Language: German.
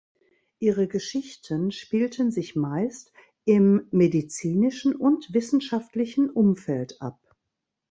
Ihre Geschichten spielten sich meist im medizinischen und wissenschaftlichen Umfeld ab.